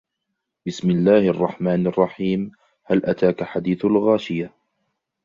بسم الله الرحمن الرحيم هل أتاك حديث الغاشية